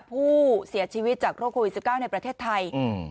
ผู้เสียชีวิตจากโรคโควิด๑๙ในประเทศไทยอืม